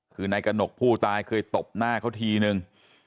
คือนายกระหนกผู้ตายเคยตบหน้าเขาทีนึง